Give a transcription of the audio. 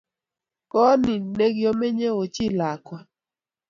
koot ni nekiomenye ochi lakwa